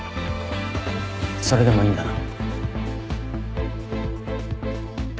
それでもいいんだな。